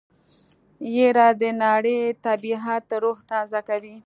يره د ناړۍ طبعيت روح تازه کوي.